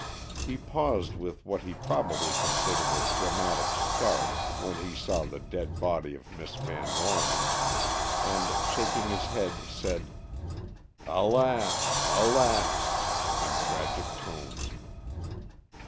He paused with what he probably considered a dramatic start when he saw the dead body of Miss Van Norman, and, shaking his head, said, "Alas! Alas!" in tragic tones.